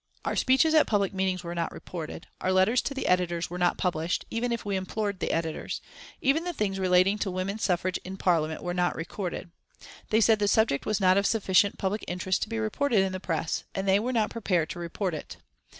Our speeches at public meetings were not reported, our letters to the editors, were not published, even if we implored the editors; even the things relating to Women's Suffrage in Parliament were not recorded. They said the subject was not of sufficient public interest to be reported in the Press, and they were not prepared to report it.